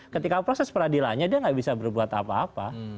ketika proses peradilannya dia nggak bisa berbuat apa apa